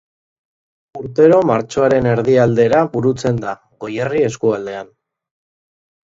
Urtero martxoaren erdialdera burutzen da, Goierri eskualdean.